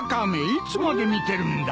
いつまで見てるんだ。